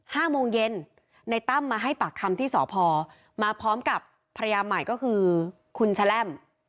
ห้าโมงเย็นนายตั้มมาให้ปากคำที่สอบพอร์มาพร้อมกับพระยามใหม่ก็คือคุณชะแล้ม